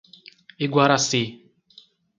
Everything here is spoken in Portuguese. Iguaracy